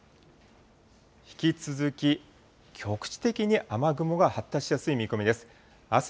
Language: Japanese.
引き続き局地的に雨雲が発達しやすい見込みです。